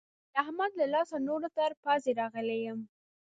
د احمد له لاسه نور تر پوزې راغلی يم.